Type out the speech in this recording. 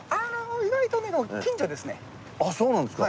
あっそうなんですか。